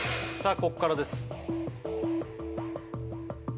ここからです